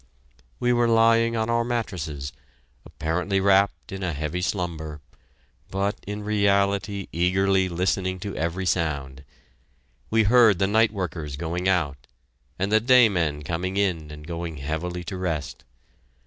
We were lying on our mattresses, apparently wrapped in a heavy slumber, but in reality eagerly listening to every sound.... We heard the night workers going out, and the day men coming in and going heavily to rest....